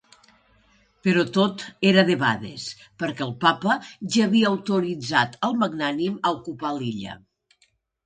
Però tot era debades, perquè el Papa ja havia autoritzat el Magnànim a ocupar l'illa.